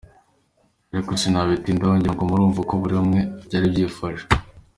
Aho sinabitindaho ngirango murumva uko kuri buri umwe byari byifashe.